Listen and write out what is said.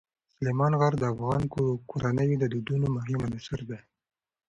سلیمان غر د افغان کورنیو د دودونو مهم عنصر دی.